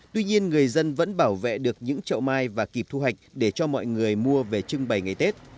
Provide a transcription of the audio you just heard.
tuy nhiên người dân vẫn bảo vệ được những chậu mai và kịp thu hoạch để cho mọi người mua về trưng bày ngày tết